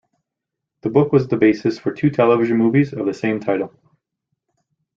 The book was the basis for two television movies of the same title.